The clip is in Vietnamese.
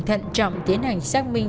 thận trọng tiến hành xác minh